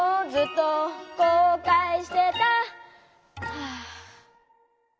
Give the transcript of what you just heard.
はあ。